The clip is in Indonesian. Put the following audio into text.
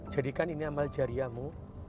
jadikan ini amal jariamu